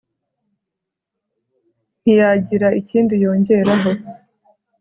ntiyagira ikindi yongeraho